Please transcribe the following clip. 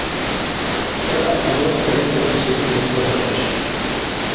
دەل ئاپتوبۇس بېلەت سېتىش سىستېمىسىغا ئوخشاش.